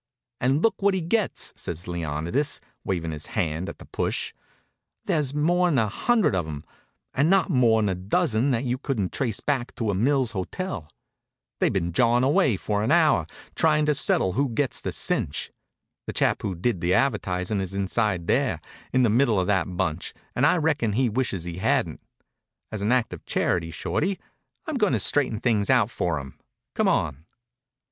"And look what he gets," says Leonidas, wavin' his hand at the push. "There's more'n a hundred of 'em, and not more'n a dozen that you couldn't trace back to a Mills hotel. They've been jawing away for an hour, trying to settle who gets the cinch. The chap who did the advertising is inside there, in the middle of that bunch, and I reckon he wishes he hadn't. As an act of charity, Shorty, I'm going to straighten things out for him. Come on."